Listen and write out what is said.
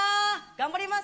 頑張ります。